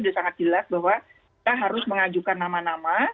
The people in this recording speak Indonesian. sudah sangat jelas bahwa kita harus mengajukan nama nama